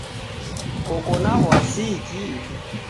Koko na w'asiki?